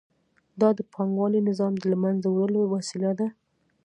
دا د پانګوالي نظام د له منځه وړلو وسیله ده